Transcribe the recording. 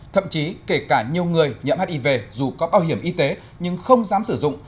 thậm chí kể cả nhiều người nhiễm hiv dù có bảo hiểm y tế nhưng không dám sử dụng